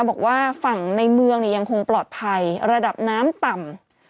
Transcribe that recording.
บอกว่าฝั่งในเมืองเนี่ยยังคงปลอดภัยระดับน้ำต่ำ